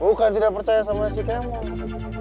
bukan tidak percaya sama si kemo